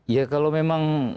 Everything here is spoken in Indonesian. ya kalau memang